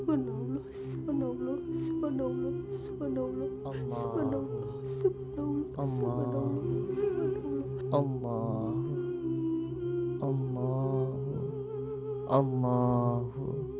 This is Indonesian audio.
allah allah allah